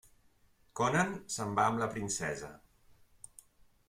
Conan se'n va amb la princesa.